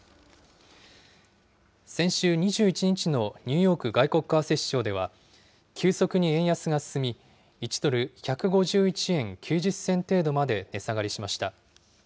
先週２１日のニューヨーク外国為替市場では、急速に円安が進み、１ドル１５１円９０銭程度まで値下がりしました。